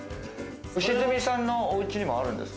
良純さんのお家にもあるんですか？